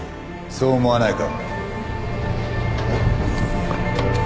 そう思わないか？